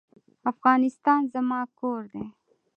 افغانستان زما کور دی.